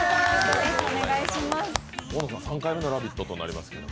大野さん、３回目の「ラヴィット！」となりますけど。